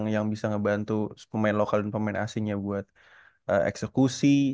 yang bisa ngebantu pemain lokal dan pemain asingnya buat eksekusi